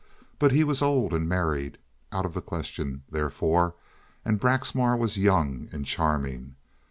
But he was old and married—out of the question, therefore—and Braxmar was young and charming.